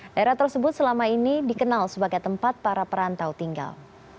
daerah tersebut selama ini dikenal sebagai tempat para perantau tinggal